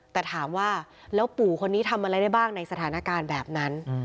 แต่ถามว่าแล้วปู่คนนี้ทำอะไรได้บ้างในสถานการณ์แบบนั้น